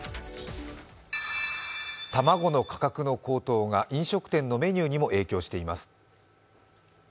卵の価格の高騰が飲食店のメニューにも影響しています。